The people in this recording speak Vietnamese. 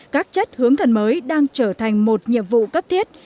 các chất hướng thần mới đang trở thành một nhiệm vụ cấp thiết